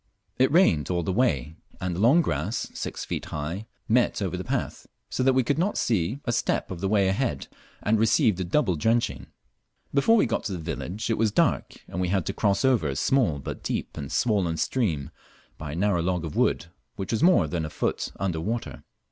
It rained all the way, and the long grass, six feet high, met over the path; so that we could not see a step of the way ahead, and received a double drenching. Before we got to the village it was dark, and we had to cross over a small but deep and swollen stream by a narrow log of wood, which was more than a foot under water.